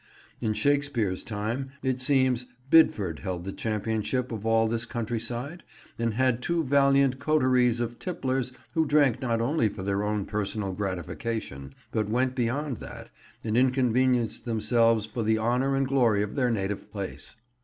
In Shakespeare's time, it seems, Bidford held the championship of all this countryside, and had two valiant coteries of tipplers who drank not only for their own personal gratification, but went beyond that and inconvenienced themselves for the honour and glory of their native place.